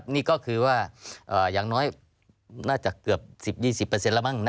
นี่ก็คือว่าอย่างน้อยน่าจะเกือบ๑๐๒๐แล้วมั้ง